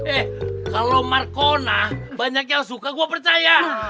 eh kalau marcona banyak yang suka gue percaya